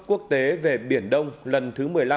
quốc tế về biển đông lần thứ một mươi năm